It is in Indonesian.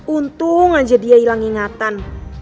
untung aja dia hilang ingatan